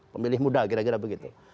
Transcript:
pemilih muda kira kira begitu